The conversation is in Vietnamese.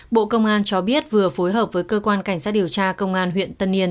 bộ công an cho biết vừa phối hợp với cơ quan cảnh sát điều tra công an huyện tân yên